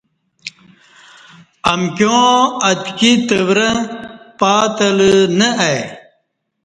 امکیاں اتکی تورں پاتلہ نہ آئی۔